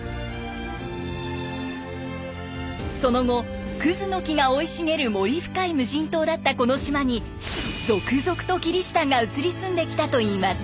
その後クズの木が生い茂る森深い無人島だったこの島に続々とキリシタンが移り住んできたといいます。